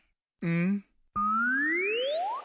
うん？